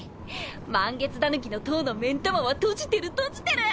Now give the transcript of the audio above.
満月狸の塔の目ん玉は閉じてる閉じてる！